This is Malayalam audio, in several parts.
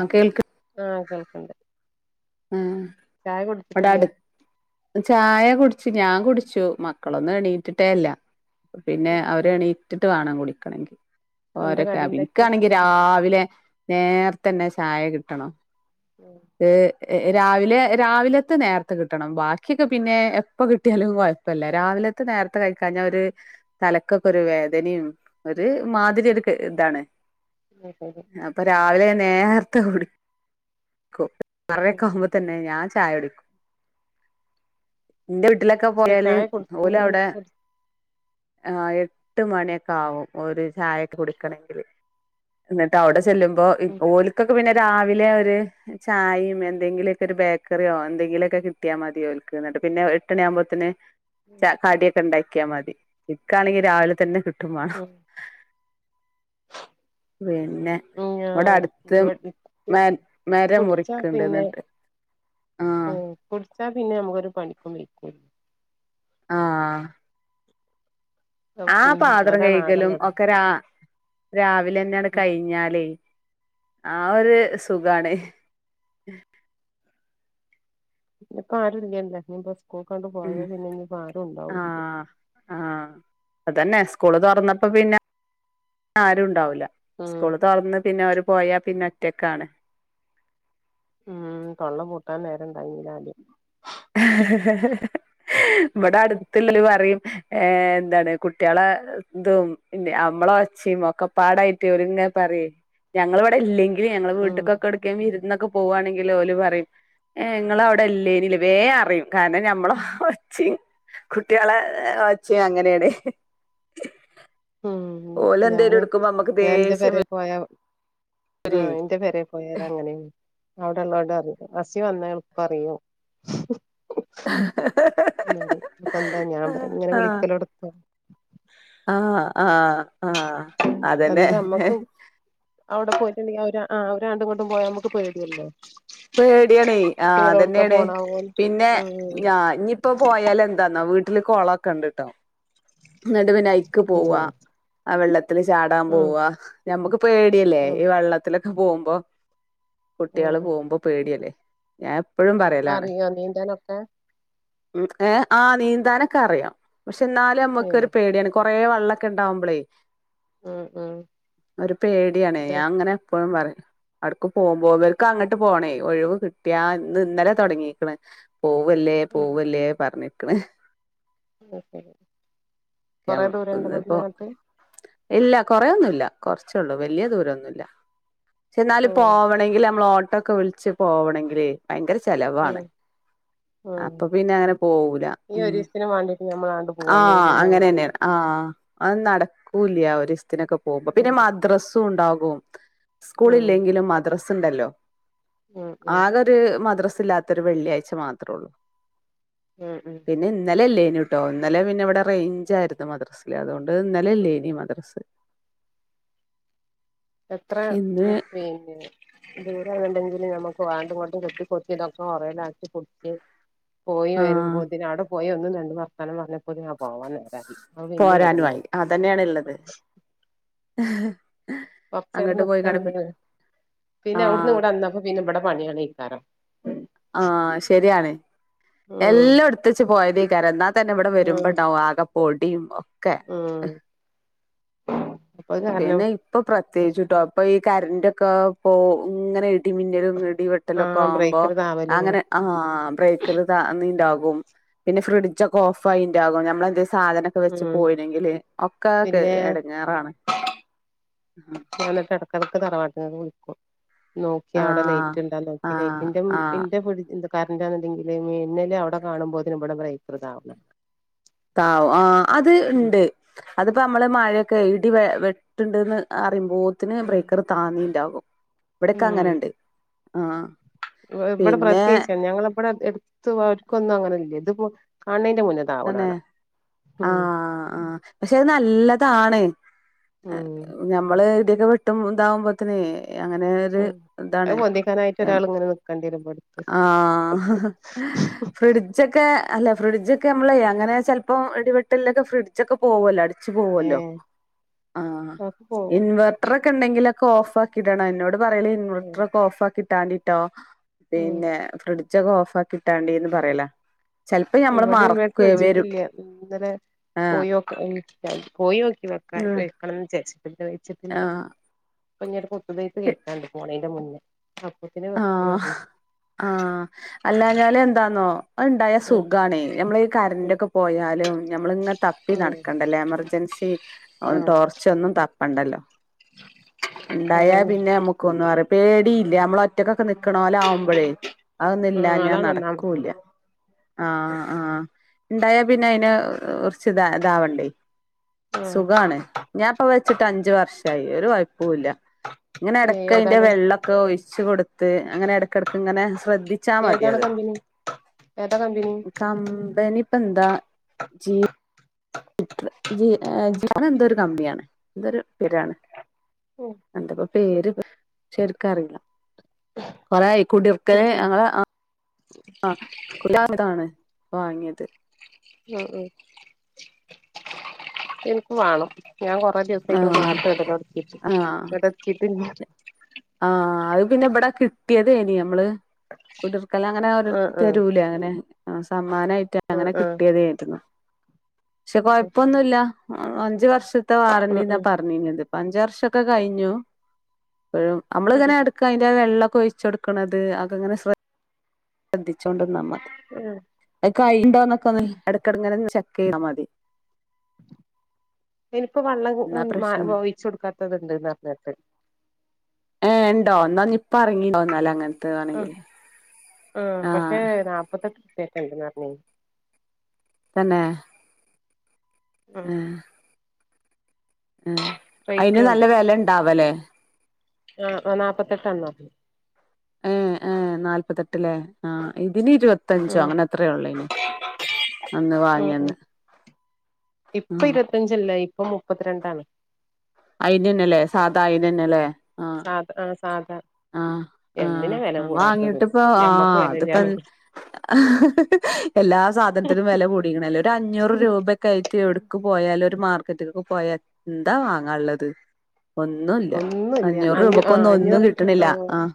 ആഹ് കേൾക് ആഹ് കേൾക്ക്ണ്ട്. ഉം ഇവടെ അടു ചായ കുടി പക്ഷെ ഞാൻ കുടിച്ചു. മക്കളൊന്നും എണ്ണിറ്റിട്ടേ ഇല്ല. പിന്നെ ഉം ഉം അവരെണ്ണിറ്റിട്ട് വേണം കൂടി കണെങ്കി എന്താ ഓരൊക്കെ കടി ആ ഉണ്ടാക്കിയെ വിക്കാണെങ്കി രാവിലെ നേർത്തന്നെ ചായ കിട്ടണം ഉം ഏ ഏ രാവിലെ രാവിലത്തെ നേരത്തെ കിട്ടണം ബാക്കിയൊക്കെ പിന്നെ എപ്പ കിട്ടിയാലും കുഴപ്പില്ല രാവിലത്തെ നേരത്തെ കഴിക്കാഞ്ഞാ ഒരു തലക്കൊക്കെ ഒരു വേദനയും ഒരു മാതിരി ഉം ഒരു ഇതാണ് അത് ശരി അപ്പൊ രാവിലെ നേർത്തെ കുടികും പറയൊക്കെ ഉം ആകുമ്പോ തന്നെ ഞാൻ ചായ കുടിക്കും എന്റെ വീട്ടില്ലൊക്കെ പക്ഷെ പോയാല് ചായ ഓല് കുടിച്ചങ്ങാണ്ട് അവിടെ ആ എട്ട് മണിയൊക്കെ ആവും ഒരു ചായക്കെ കുടിക്കണഗില് എന്നിട്ട് അവിടെ ചെല്ലുമ്പോ ഉം [unintelligible] പിന്നെ രാവിലെ ഒരു ചായയും മിന്തെങ്കില്ലൊക്കെ ഒരു ബേക്കറിയോ എന്തെങ്കിലൊക്കെ കിട്ടിയാൽ മതിയായിരിക്കും പിന്നെ എട്ടണിയ ആകുമ്പോത്തന് ഉം ച കാടിയൊക്കെ ഉണ്ടാ ഒക്കാ മതി ഇക്കാണെങ്കിൽ രാവിലെ തന്നെ [unintelligible] പിന്നെ ഉം ഇവിടെ ഞാൻ അടുത്ത് മ മരം മുറി കുടിച്ചാ പിന്നെ ഉം കുടിച്ചാ പിന്നെ നമ്മക്കൊരു പണിക്കും വെയ്ക്കൂല ആ ആ ഉം പാത്രം അതാണ് കഴകലും ആകെള്ളത് ഒക്കെ രാവിലെ തന്നെയാണ് ഉം കഴിഞ്ഞാലേ ആ ഒരു സുഖാണ് ഉം ഇപ്പ ആരും ഇല്ലല്ലേ [unintelligible] ഉം പോയത് പിന്നെ ഇനി ആരും ഉണ്ടാവില്ല ആഹ് സ്കൂൾ തുറന്നപ്പോൾ പിന്നെ ആരും ഉണ്ടാവില്ല ഉം സ്കൂളിൽ തുറന്നെ പിന്നെ ആരു പോയാ പിന്നെ ഒറ്റക്കാണ് ഉം കള്ളം പൂട്ടാൻ നേരം [unintelligible] ഇവിടെ അടുത്തുള്ളോർ പറയും ഏ എന്താണ് കുട്ടികളെ ഇതും പിന്നെ അമ്മളം ഒച്ചും ഒക്കെപ്പാടായിട്ട് ഒരുങ്ങ പറ ഞങ്ങളിവിടെ ഇല്ലെങ്കിൽ ഞങ്ങള് ഉം [unintelligible] ഒക്കെ പോവാന്നാക്കില്ല് ഓല് പറയും നിങ്ങള് അവിടെ ഇല്ലേ വേ അറിയും കാരണം ഞമ്മള് വെച്ച് കുട്ടികളെ വെച്ച് അങ്ങനെയാണ് ഉം ഓല് എന്തെങ്കിലും ഞാന് എടുക്കുമ്പോ നമ്മുക്ക് ദേഷ്യംവരും ആ എന്റെ പേര [unintelligible] അങ്ങനെയാണ് അവിടെള്ളോടെ അറിയ അസി വന്നാ എളപ്പ അറിയോ പ്പെന്താ ഞാൻ പറ ഇങ്ങനെ ആഹ് വിളിക്കൂല ആഹ് ആഹ് ആഹ് അതന്നെ എന്താ നമ്മക്കും അവിടെ പോയിട്ടുണ്ടെങ്കിൽ അവര് ആ ഒ രണ്ടും കൊണ്ടും പോയാ നമക്ക് പേടിയല്ലോ പേടിയണ ആ അതന്നെയാണ് പോണാവോന്ന് പിന്നെ ആഹ് ഞ ഇനിയിപ്പോ പോയല് എന്താന്നാ വീട് വീട്ടില കുളക്കെ കണ്ടിട്ടോ നടുവനായി ക് പോവാ ഉം [unintelligible] വെള്ളത്തി ത്തി ചാടാൻ ഉം പോവാ നമുക്ക് പേടിയല്ലേ ഉം ഈ വെള്ളത്തില പോകുമ്പോ കുട്ടികള് ഉം പോകുമ്പോ പേടിയല്ലേ ഞാൻ എപ്പോഴും പറയലാണ് അറിയോ നീന്താനൊക്കെ ഉ ഏ ആ നീന്താനൊക്കെ അറിയാം പക്ഷെ ന്നാലും ക്ക് ഒരു ഏഹ് പേടിയാണ് [unintelligible] കുറെേ വള്ളംക്കെ ഉണ്ടാവുമ്പളേ ഉം ഉം ഒരു പേടിയാണ് തെ ഞാൻ അങ്ങനെ എപ്പോഴും പറയും അടക്ക് പോകുമ്പോ ഇവർക്ക് അങ്ങോട്ട് പോണേ ഒഴിവ് കിട്ടിയന്ന് ഇന്നലെ തുടങ്ങീക്കണ് പോവല്ലേ പോവല്ലേ പറഞ്ഞിട്ട് ക്കണെ ഉ ശ [unintelligible] കൊറെേ ദൂരംണ്ട് പിടുന്ന ഇന്നിപ്പോ അങ്ങത്ത് ഇല്ല കൊറൊന്നുമല്ല കുറച്ചള്ളൂ വലിയ ദൂരൊന്നുമല്ല എന്നാല ഉം പോണെങ്കിൽ നമ്മൾ ഓ ട്ടൊക്കെ വിളിച്ച് പോകണെങ്കില് ഭയങ്കര ഉം ചെലവാണ് ഉം അപ്പൊ പിന്നെ അങ്ങനെ പോവൂല ഈ ഒരീസത്തിന് വാണ്ടിട്ട് ഞമ്മളാണ്ട് ആ പോവാണ് അങ്ങനെ പിന്നങ്ങട്ട് തന്നെയ ആഹ അത് നടക്കൂല ഒരു അതിനൊക്കെ പോകുമ്പോ പിന്ന ഉം മദ്രസ ഉണ്ടാകും ഓത്ത് ഉം സ്കൂളില്ലെങ്കിലും മദ്രസ് സ്ണ്ടല്ലോ? ഉം ഉം ആകൊരു മദ്രസ് ല്ലാത്തൊരു വെള്ളിയാഴ്ച മാത്രൊള്ളൂ. ഉം ഉം പിന്നെ ഇന്നലല്ലേ ഞ്ഞുട്ടോ ഇന്നലെ പിന്നെ ഇവിടെ റേയ്ഞ്ചാരുന്നു മദ്രസില്, അത്കൊണ്ട് ഉം അതിന്നലല്ലേ ഇനി മദ്രസ് എത്ര ഇന്ന് ഉം പിന്നെ ദൂരെല്ലണ്ടെങ്കില് നമുക്ക് വാണ്ടും കൊണ്ടും കെത്തി കൊത്തി ഇതൊക്കെ ഒറേലാക്കി പൊടിച്ച് പോയി ആ വരും പൊതി അവിടെ പോയി ന്ന് രണ്ട് വർത്താനം പറഞ്ഞപ്പോത്തിനും ഞാൻ പോവാൻ നേരായി. അത് പിന്നിം പോരാനു ഇങ്ങട്ടന്നെ ആയി, പോന്ന് അതന്നെയാണ്ള്ളത്. കൊറച്ചേരം നിക്കാന്ന്‌ണ്ടെങ്കി ആ പിന്നെ അവിടന്ന് ഇവിടെ വന്നപ്പ പിന്നെ ഇവിടെ പണിയാണെയ്ക്കാരം. ആഹ് ശരിയാണ്. ഉം എല്ലാം എടുത്തച്ച് പോയതെ രണ്ടാ തന്നെ ഇവിടെ ഉം വര്മ്പണ്ടാവും ആകെ പൊടിയും ഒക് ക്കെ ഉം അപ്പൊ അത് കാരണം പിന്നെ ഇപ്പൊ പ്രത്യേകിച്ചിട്ടുവാ ഇപ്പ ഈ കറന്റൊക്കെ പോ ഇങ്ങനെ ഇട് ഇടിമിന്നലും ഇടി ആ വെട്ടലൊക്കെ ആവുമ്പോ ബ്രേക്കർ താവലും അങ്ങനെ ആഹ് ബ്രേക്കറ് താന്നീണ്ടാവും ഉം പിന്നെ ഫ്രിഡ്ജൊക്കെ ഓഫായിണ്ടാകും നമ്മളെന്തെ സ് സാധനൊക്കെ വെച്ച് ഉം പോയിണെങ്കില് ഒക്കെ ക്കെ പിന്നെ എടങ്ങേറാണ്. ഞാൻ ന്നിട്ട് എടക്കെടക്ക് തറവാട്ട് ക്ക്‌ വിളിക്കും നോക്കി അവിടെ ആഹ് ലേറ്റ് ഇണ്ടാ നോക്കി ആഹ് ലേറ്റ്ന്റെ ആഹ് ന്റെ ഫിട്ജ് കറന്റാന്ന്ണ്ടെങ്കില് മിന്നല് അവിടെ കാണുമ്പോത്തിന് ഇബടെ ബ്രേക്കറ് താവുന്ന താവു ആ അത് ഇണ്ട് അതിപ്പോ നമ്മള് മഴ ക്കെ ഇടി വെ വെട്ട്ണ്ട്ന്ന് ആ യുമ്പോത്തിന് ഉം ബ്രേക്കറ് താന്നിണ്ടാകും. ഇവിടെക്കെ അങ്ങനണ്ട് ആഹ് ഇബ ഇബടെ പിന്നെ പ്രത്യേകിച്ചാണ് ഞങ്ങളെ ഇബടെ എടുത്ത് ആർക്കൊന്നും അങ്ങനെ ഇല്ല ഇത് [unintelligible] കാൺനേൻ ആണ് ആ ആ പക്ഷെത് നല്ലതാണ് ഏഹ് ഉം ഞമ്മള് [unintelligible] വെട്ടും ഇതാവുമ്പത്തെനേ അങ്ങനെ ഒരു ഉം അത് ഇതാണ് പൊന്തിക്കാനായിട്ട് ഒരാൾ ഇങ്ങനെ നിക്കേണ്ടി വരും ഇവിടുത്ത് ആഹ് ഫ്രിഡ്ജൊക്കെ അല്ല ഫ്രിഡ്ജ് ക്ക്‌ നമ്മള അങ്ങനെ ചെലപ്പോ ഇടിവെട്ടലിലൊക്കെ ഫ്രിഡ്ജൊക്കെ പോകോലോ അടി ച്ചുപോവോലോ ഏഹ് ആഹ്‌ അതൊക്കെ പോകും ഇൻവെർട്ടർക്കെ ഉണ്ടെങ്കില ഒക്ക ഓഫക്കിടാണ് എന്നോട് പറയെല് ഏഹ് ഇൻവെർട്ടരൊക്കെ ഓഫ് ആക്കി ട്ടണിട്ടോ ഉം പിന്നെ ഫ്രി ഉച്ചക് ഓഫ് ആക്കി ഇട്ടാണ്ടിന്ന് പറയല ചെലപ്പോ ഞമ്മള് മാറ ഇന്ന് വെച്ചിട്ടില്യ ഇന്നലെ ആഹ് പോയോ പോയി നോക്കി വെക്കാൻ വെക്കണം വിചാ ഇവിടെ വെയിച്ചത്തില്ല ആഹ് [unintelligible] സമായെത്ത് കേൾക്കാണ്ട് പോണെന്ന് മുന്നേ അപ്പത്തിന് വെക്കാന്ന് ആഹ് പറഞ്ഞു ആ അല്ലാഞ്ഞാല് എന്താന്നോ ഒണ്ടായ ഉം സുഖണെ ഞമ്മളി ഉം കരന്റൊക്കെ പോയാലും ഞമ്മളിങ്ങനെ തപ്പി ഉം നടക്കണ്ടല്ലേ എമർജൻസി ഉം ടോർച്ച് ഒന്നും തപ്പ പണ്ടല്ലോ ഇണ്ടായാ അതന്നെ പിന്നെ നമ്മുക്ക് ഒന്നും അറി പേടിയില്ല നമ്മള ഒ [unintelligible] ക്കണോലാവുമ്പോഴേ ഉം അതൊന്നുവില്ലഞ്ഞാ അതാണ് നടക്കൂല്ല ഒന്നാമത്തത് ഉം ആഹ് ആഹ് ഇണ്ടായാ പിന്നെ അയിന് കുറച്ച് ഇതാ ഇതാവണ്ടേ ആഹ് സുഖാണ് ഞാൻപ്പ വെച്ചിട്ട് അഞ്ച് വർഷ് ആയി ഒരു വ പോവൂല ഇങ്ങനെ ഏ എടക്ക് അയിന്റെ ഏതാണ് വെള്ളക്കെ ഒഴിച്ച് കൊടുത്ത് [unintelligible] അങ്ങനെ എടക്കെടക്ക് അങ്ങനെ ശ്രദ്ധിച്ചാ മതി ഏതാണ് അത് കമ്പനി ഏതാ കമ്പനി കമ്പനി എന്താ ജീ [unintelligible] ജി ജി അത് എന്തോരു കമ്മിയാണ് എന്തരു പേരാണ് ഉം എന്ത പ പേര് ബ് ശരിക്ക് അറിയില്ല കൊറെ ആയിക്കൂടിഓക്കെ ഉം ഉം ഞങ്ങെൾ ആ ആ കുലം ഇതാണ് വാങ്ങിയത് ഉ ഉ എനിക്ക് വണം ഞാൻ കൊറേ ദിവസായ്ക്കുണു ആഹ് നാട്ട് ഇടലൊടത്തീട്ട് ആഹ് ഇങ്ങട്ട് എത്തീട്ടില്ല ആഹ് അത് പിന്നെ വിടെ കിട്ടിയതേനി ഞമ്മള് കുടിർക്കൽ അങ്ങനെ ഒരു ആ ആ തരൂലെ അങ്ങനെ ആ സം സമ്മാനായിട്ട് അങ്ങനെ ആ ആ കിട്ടിയതേരുന്നു പക്ഷെ കൊഴപ്പൊന്നുല്ല അഞ്ചു വർഷം ത്തെ ഉം വാറണ്ടിന്നാ ഉം പറഞ്ഞിരുന്നത്. പ്പ അഞ്ചു വർഷൊക്കെ കഴിഞ്ഞു പ്പോഴും അമ്മളിങ്ങനെ എടുക്കയിന്റെ വെള്ള ഒഴിച്ച് കൊടുക്കണത് അതൊക്കെ ങ്ങനെ ശ്ര ദ്ധി ച്ചോണ്ട്ന്നാ മതി. ഉം അത് കയ്യിണ്ടോന്നൊക്കെ ഇടക്കങ്ങനെ ചെക്ക് ചെയ്താ മതി. ഇനിയിപ്പോ വെള്ളം എന്നാ പ്രശ്നം ഒഴിച്ച് കൊടുക്കാത്തത്ണ്ട്ന്ന് പറഞ്ഞട്ട് ഏ ണ്ടോ ന്നാ ഞ്ഞി പ്പോ എറങ്ങീണ്ടാവും ന്നാല് അങ്ങനത്തെ ആ വേണെങ്കില് ആ പക്ഷേ നാപ്പത്തട് [unintelligible] തന്നെ ഉം ആഹ്. ആഹ് അയിന് നല്ല റേറ്റുണ്ട് വില ഉണ്ടാവല്ലേ ആ നാല്പത്തെട്ട് അണ്ണത്തിെ ഏഹ് ഏഹ് നാല്പത്തെട്ടിലേ ആഹ് ഇനി ഇരുപത്തഞ്ചോ ഉം അങ്ങനെ എത്രെയുള്ളു ഇയിന് അന്ന് ഉം വാങ്ങിയന്ന് ഉം ഇപ്പൊ ആഹ്. ഇരുപത്തഞ്ചല്ല ഇപ്പൊ മുപ്പത്രണ്ടാണ്. അയിന് ന് അല്ലേ സാധാ അയിണ അല്ലേ ആഹ് സാധാ ആ സാധാ ആഹ് ആഹ് എന്തിനാ വെല ആഹ് കൂടാത്തത് വാങ്ങിട്ടപ്പ ആ ഞമ്മക്ക് അതിപ്പോ വെലല്ലാന്ന് എല്ലാ സാധനത്തിലും വില കൂടിക്കണല്ലെ ഒരു അഞ്ഞൂറ് രൂപക്ക ആയിട്ട് എവിടക്ക് പോയാലും മാർക്കറ്റൊക്കെ പോയ എന്താ വാ നല്ലത് ഒന്നും ഇല്ല അഞ്ഞ് ആ ഒന്നും അഞ്ഞൂറ് കിട്ടണില്ല ആ ആഹ്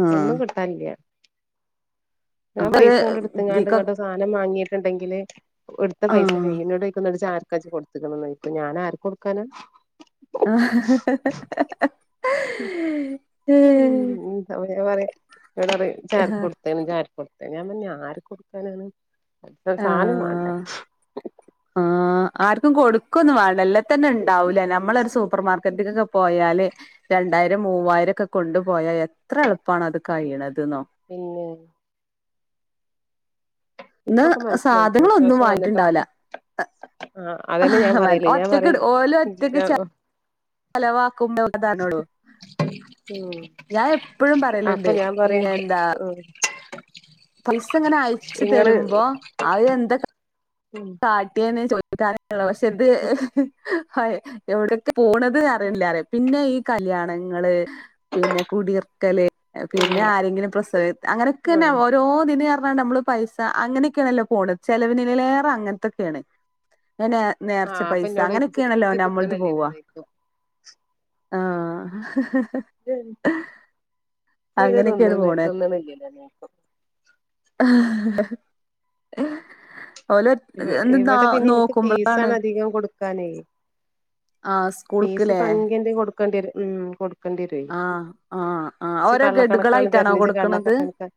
ആഹ് ഒന്നും കിട്ടാനില്ല ഞാൻ പൈസ ഇങ്ങട്ട് എടുത്ത്ങ്ങാണ്ട് ഇതിക്കൊ ഇങ്ങട്ട് സാധനം വാങ്ങിയിട്ടുണ്ടെങ്കില് എടുത്ത പൈസ ആഹ് കഴും ഇന്നോട് ചോയിക്കും ന്നിട്ട് ഇജ്ജ് ആർക്കാ ഇജ്ജ് കൊടുത്തേ ഇപ്പൊ ഞാനൻ ആർക്ക കൊടുക്കാന ആഹ ഉം ഉം [unintelligible] ക്കെ ഇന്നോട് പറിം ഇജ് ആഹ് ഏർക്കൊട്ത്തേ ഇജ് ആർക്കൊ ഞാൻ പറഞ് ഞാൻ ആർക്ക് കൊടുക്കാനാണ് [unintelligible] സാനം മാണ്ട ആഹ് ആർക്കും കൊടുക്കൊന്നും വാണ്ട ലെ തന്നെ ഇണ്ടാവൂല നമ്മളൊരു സൂപ്പർമാർക്കറ്റിലൊക്കെ പോയാല് രണ്ടായിരം മൂവായിരൊക്കെ കൊണ്ടുപോയാ എത്ര എളുപ്പാണ് അത് കയിയണതെന്നോ പിന്നെ ന്നാ ഇപ്പൊക്കെ മനസ്സിലായിക്ക്ണ് സാധൻങ്ങളൊന്നും ഇപ്രാവശ്യം വാങ്ങീട്ടുണ്ടാവില്ല വന്നിട്ടൊക്കെ ആ അതന്നെ ഞാൻ പറയല് ഞാൻ ഒറ്റക്ക് പറയും ഓല് ഒറ്റക്ക് ചെലവാ [unintelligible] ഉം ഞാൻ എപ്പോഴും അപ്പൊ പറയലുണ്ട് ഞാൻ പറയും എന്താ ഉം പൈസങ്ങനെ അയച്ചു ഇങ്ങള് തരുമ്പോ അത് എന്താ ക ഉം കാട്ടിയേനെ ചോ [unintelligible] പക്ഷെ ഇത് [unintelligible] എവിടൊക്കെ പോണത് അറിയണില്ലാല്ലേ പിന്നെ ഈ കല്യാണങ്ങള് പിന്നെ കുടിയർക്കല് ഉം പിന്നെ ആരെങ്കിലും പ്രസവ അങ്ങനൊക്കെന്നെ ആഹ് ഓരോ ഇതിനും ന നമ്മള് പൈസ അങ്ങനെയൊക്കെയാണല്ലോ പോണത് ചെലവിനെലേറെ അങ്ങനത്തൊക്കെയാണ് [unintelligible] നേർച്ച ആഹ് അപ്പൊ പൈസ എന്നോട് ചോയ്ക്കും ഇജ്ജ് അങ്ങനെയൊക്കെയാണല്ലോ ഇജ്ജ് നമ്മളത് തിന്നണില്ലേന്ന് പോവാ ചോയ്ക്കും ആഹ് [unintelligible] [unintelligible] തീരെ തിന്ന് അങ്ങനെയൊക്കെയാണ് പോണെ ണില്ലല്ലോ മൂപ്പം [unintelligible] ഒലെ ഇവ [unintelligible] നോക്കുമ്പോളാണ് ക്കാനേ ആ സ്കൂൾക്ക്ല്ലേ കൊടക്കണ്ടരും ഉം കൊട് ആഹ് ആഹ് ആ ഓരോ കള്ളക്കണക്കാണ് ഗഡുകളായിട്ടാണോ തരണെ ഇജ്ജ് കൊടുക്കണത് കള്ളക്കണക്കാ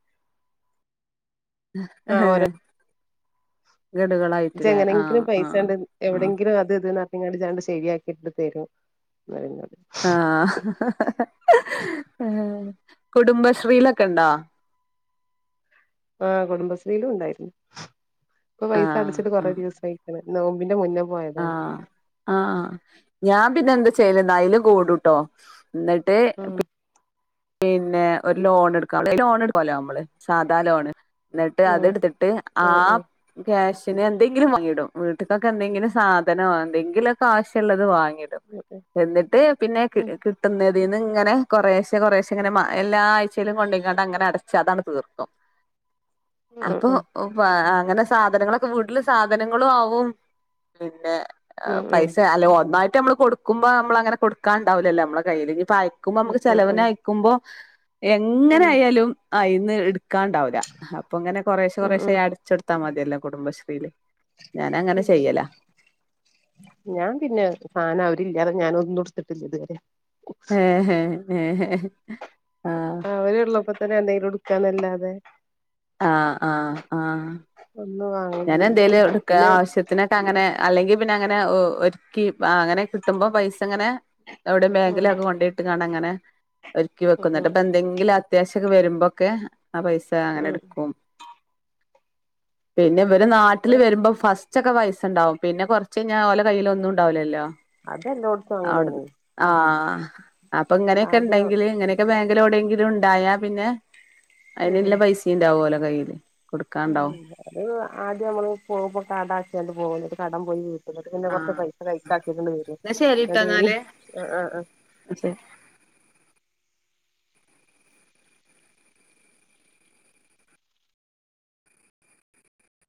ഗഡുകളായിട്ടില്ലേ ജ്ജ്ങ്ങനെങ്കിലും ആഹ് പൈസ ആഹ് ഉണ്ട് ആഹ് എവിടെങ്കിലും അത് ഇതിന്ന് [inaudible] ശെരിയാക്കിപ്പത്തേക്കും [inaudible] ആഹ് കുടുംബശ്രീലൊക്കെ ഒണ്ടോ ആഹ് കുടുംബശ്രീലും ഉണ്ടായിരുന്നു ഇപ്പൊ പൈസ ആഹ് അടച്ചിട്ട് കൊറേ ദിവസം ആയിരിക്കാണ് നോമ്പിന്റെ മുന്ന ആഹ ആഹ ഞാൻ പിന്നെ എന്ത ചെലതായല് കൂടട്ടോ എന്നിട്ട് ഉം പിന്നെ ഒരു ലോൺ എടുക്ക ലോൺ എടുക്കല്ലോ നമ്മള് സാധാ ലോണ് എന്നിട്ട് ഉം അത്ടുത്തിട്ട് ആ ഉം ഉം ക്യാഷ് പിന്നെ എന്തെങ്കിലും വാങ്ങിടും വീട്ടക്കൊക്കെ എന്തെങ്കിലും സാധനോ എന്തെങ്കിലൊക്കെവശ്യുള്ളള്ളത് വാങ്ങി ഉം എന്നിട്ട് പിന്നെ ഉം കിട്ട് ഇതിന്ന് ഇങ്ങനെ കുറ കുറേശെ ഇങ്ങനെ എല്ലാ ആഴ്ചയിലും കൊണ്ടാണ്ട് അങ്ങനെ അടച്ച് അതാങ് തീർക്കും ഉം അപ്പൊ ഉം ഓ പാ അങ്ങനെ സാധനങ്ങളൊക്കെ വീട്ടില് സാധനങ്ങളും ആവും പിന്നെ ഉം ഉം പൈസ അല്ലെ ഒന്നായി് നമ്മള് കൊടുക്ക്പോ നമ്മ അങ്ങനെ കൊടുക്കാണ്ടാവല്ലോ നമ്മ കയില് പായിക്കുമ്പോ നമ്മക്ക് ഉം ചിലവ ഉം ഉം യക്കുമ്പോ എങ്ങനെ ഉം ആയാലും ആ ഇന്ന് എടു നക്കാണ്ടാവില്ല അപ്പൊ ഇങ്ങനെ കുറേശേ ഉം കുറേശേ ഉം അടച്ചെടുത്താ മതി ഇതെല്ലാം കുടുംബശ്രീയില് ഞാനങ്ങനെ ചെയ്യലാ ഞാൻ പിന്നെ സാന അവരില്ലതെ ഞാൻ ഒന്നും ഉടുത്തിട്ടില്ല ഇതുവരെ ഹഹ് ഹ അവര്ള്ളപ്പോ തന്നെ എന്തെങ്കിലും ഉടുക്കാനാലാതെ അതെ ആ ആ ആ ഒന്നും ഞാൻ വാങ്ങലില്ല എന്തേലും എടുക്ക പിന്നെ ആവശ്യത്തിനൊക്കെ അങ്ങനെ അല്ലെങ്കി പിന്നെ അങ്ങനെ ഒരുക്കി അങ്ങനെ കിട്ടുമ്പോ പൈസ ഇങ്ങനെ അവിടെ ഉം ബാങ്കിലൊക്കെ കൊണ്ടയിട്ട് കാണ്ട് അങ്ങനെ ഒരുക്കി ഉം ഉം വെക്കുന്നുട്ട് അപ്പോ എന്തെങ്കിലും അത്യാശ്യൊക്കെ വരുമ്പോക്കെ ആ പൈസ അങ്ങനെ ഉം എടുക്കും. പിന്നെ ഇവര് നാട്ടില് ഇവിടെ വരുമ്പോ ഫസ് ച്ചൊക്കെ വയസ്സുണ്ടാവും പിന്നെ കൊറച്ച് കയിഞ്ഞാ ഓല കയ്യില് ഒന്നും ണ്ടാവില്ലല്ലോ അതെല്ലോടത്തും അവിടന്ന് അങ്ങനെയാണ് ആഹ് അപ്പൊ ആദ്യം ഇങ്ങനെക്കെണ്ടെങ്കില് ഇങ്ങനെയൊക്കെ ലോടെങ്കിലും ഉണ്ടായാ പിന്നെ ഉം അതിന്ല്ല പൈസയുണ്ടാവുലോ കയ്യില് ഉം കൊടുക്കാണ്ടാവും [unintelligible] ആദ്യം മ്മള് പോവുമ്പ കാടാക്കിയോണ്ട് പോണത് കടം പോയി ന്നട്ട് പിന്നെ കൊറച്ച് ആഹ് പൈസ കൈക്കാക്കി ഇങ്ങട് വെരും എന്നാ ശരിട്ടോ ന്നിട്ട് എന്നാല് [unintelligible] ആഹ് ആഹ് ആഹ് ശരി